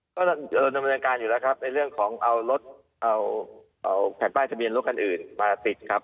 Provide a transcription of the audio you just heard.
ก็เราดำเนินการอยู่แล้วครับในเรื่องของเอารถเอาแผ่นป้ายทะเบียนรถคันอื่นมาติดครับ